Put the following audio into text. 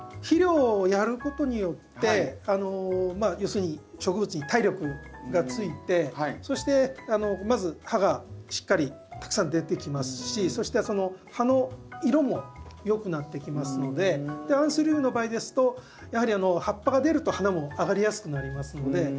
肥料をやることによって要するに植物に体力がついてそしてまず葉がしっかりたくさん出てきますしそして葉の色もよくなってきますのでアンスリウムの場合ですとやはり葉っぱが出ると花もあがりやすくなりますので。